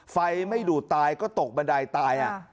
ไฟไม่ดูดตายก็ตกบันไดตาย